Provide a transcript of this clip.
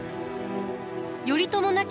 頼朝亡き